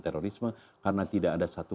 terorisme karena tidak ada satu